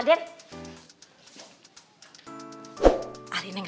aden reva nya kemana